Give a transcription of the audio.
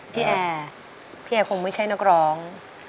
แอร์พี่แอร์คงไม่ใช่นักร้อง